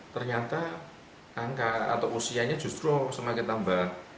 ternyata angka atau usianya justru semakin tambah